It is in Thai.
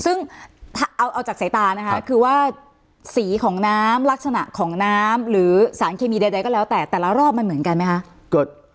ซึ่งเอาจากสายตานะคะคือว่าสีของน้ำลักษณะของน้ำหรือสารเคมีใดก็แล้วแต่แต่ละรอบมันเหมือนกันไหมคะ